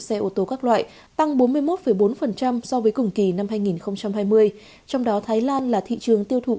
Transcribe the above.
xe ô tô các loại tăng bốn mươi một bốn so với cùng kỳ năm hai nghìn hai mươi trong đó thái lan là thị trường tiêu thụ